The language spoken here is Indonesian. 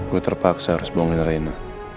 gue terpaksa harus bonggol rena